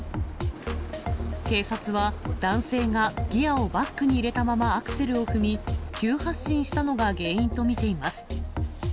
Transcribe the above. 警察は、男性がギアをバックに入れたままアクセルを踏み、急発進したのが原因と見ています。